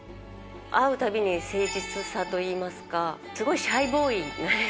会うたびに誠実さといいますか、すごいシャイボーイ。